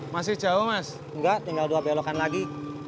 masih jauh mas enggak tinggal dua belokan lagi